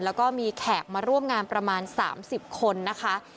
แล้วก็มีแขกมาร่วมงานประมาณ๓๐คนนะคะ